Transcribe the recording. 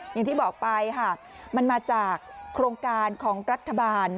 อย่างที่บอกไปค่ะมันมาจากโครงการของรัฐบาล